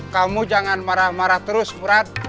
kamu jangan marah marah terus berat